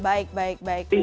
baik baik baik